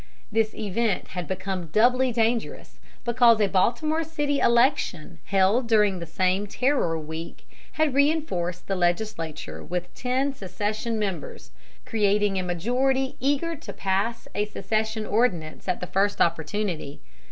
This event had become doubly dangerous, because a Baltimore city election held during the same terror week had reinforced the legislature with ten secession members, creating a majority eager to pass a secession ordinance at the first opportunity.